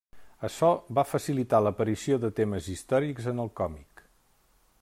Açò va facilitar l'aparició de temes històrics en el còmic.